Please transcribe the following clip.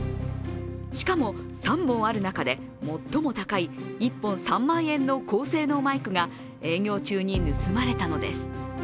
しかも、３本ある中で最も高い１本３万円の高性能マイクが営業中に盗まれたのです。